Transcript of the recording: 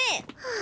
あ！